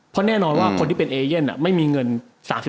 เพราะแน่นอนว่าคนที่เป็นเอเย่นไม่มีเงิน